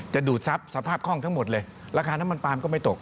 ดูดทรัพย์สภาพคล่องทั้งหมดเลยราคาน้ำมันปลามก็ไม่ตก